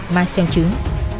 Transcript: ma sơn trứng